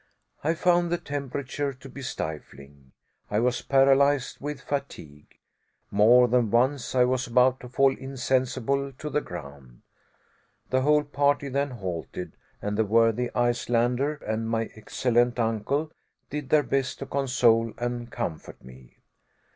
I found the temperature to be stifling. I was paralyzed with fatigue. More than once I was about to fall insensible to the ground. The whole party then halted, and the worthy Icelander and my excellent uncle did their best to console and comfort me.